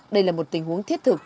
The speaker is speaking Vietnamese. đây là một tình huống thiết thực